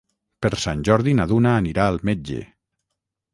Per Sant Jordi na Duna anirà al metge.